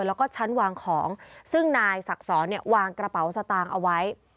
แล้วก็ชั้นวางของซึ่งนายศักดิ์สอนเนี่ยวางกระเป๋าสตางค์เอาไว้